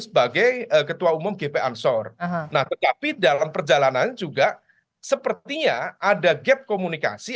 sebagai ketua umum gp ansor nah tetapi dalam perjalanan juga sepertinya ada gap komunikasi